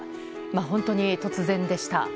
本当に突然でした。